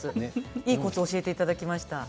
いいコツを教えていただきました。